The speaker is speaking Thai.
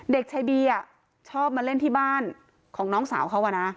เด็กชายบีชอบมาเล่นที่บ้านของน้องสาวเขา